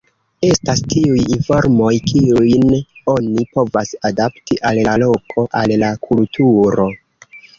Estas tiuj informoj, kiujn oni povas adapti al la loko, al la kulturo.